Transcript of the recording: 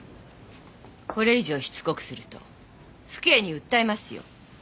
これ以上しつこくすると府警に訴えますよ。